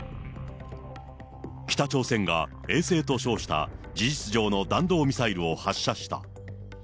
北朝鮮が衛星と称した事実上の弾道ミサイルを発射した。